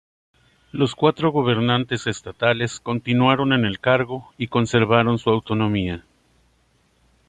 Los cuatro gobernantes estatales continuaron en el cargo y conservaron su autonomía.